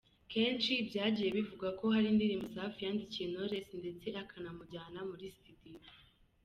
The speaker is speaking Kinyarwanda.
Kenshi byagiye bivugwa ko hari indirimbo Safi yandikiye Knowless ndetse akanamujyana muri Studio.